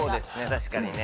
確かにね。